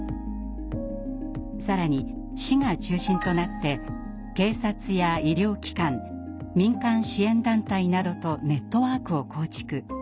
更に市が中心となって警察や医療機関民間支援団体などとネットワークを構築。